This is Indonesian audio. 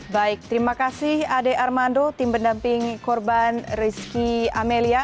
baik terima kasih ade armando tim pendamping korban rizky amelia